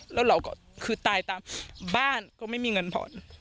แล้วเราก็คือตายตามบ้านก็ไม่มีเงินผ่อน